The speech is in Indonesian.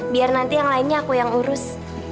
biar nanti yang lainnya aku yang urus